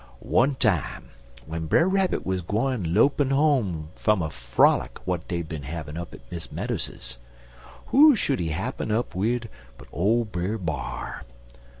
"One time when Brer Rabbit wuz gwine lopin' home fum a frolic w'at dey bin havin' up at Miss Meadows's, who should he happin up wid but ole Brer B'ar.